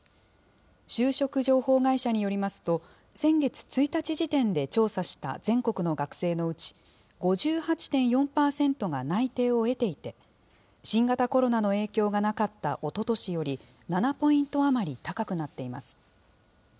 就職情報会社によりますと、先月１日時点で調査した全国の学生のうち、５８．４％が内定を得ていて、新型コロナの影響がなかったおととしより７ポイント余り高くなっています。